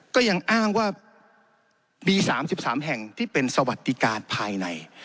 ก็ยังอ้างว่ามี๓๓แห่งที่เป็นสวัสดิการภายใน